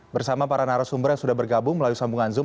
bersama para narasumber yang sudah bergabung melalui sambungan zoom